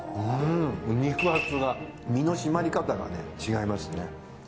肉厚が身の締まり方がね違いますね。